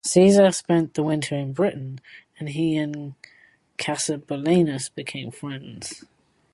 Caesar spent the winter in Britain, and he and Cassibelanus became friends.